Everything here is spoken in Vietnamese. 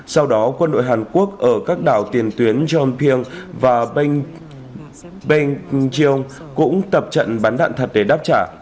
sau đó quân đội hàn quốc ở các đảo tiền tuyến jongpyong và bengyeong cũng tập trận bắn đạn thật để đáp trả